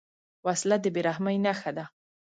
وسله د بېرحمۍ نښه ده